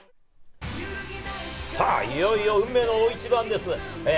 さぁ、いよいよ運命の大一番です。